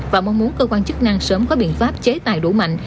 và mong muốn cơ quan chức năng sớm có biện pháp chế tài đủ mạnh